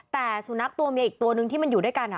แต่สุนัขตัวเมียอีกตัวนึงที่มันอยู่ด้วยกัน